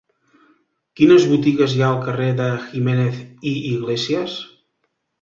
Quines botigues hi ha al carrer de Jiménez i Iglesias?